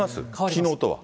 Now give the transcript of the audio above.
きのうとは。